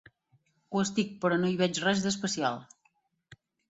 Ho estic, però no hi veig res d'especial.